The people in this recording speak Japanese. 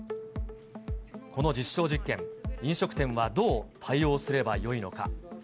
この実証実験、飲食店はどう対応すればよいのか。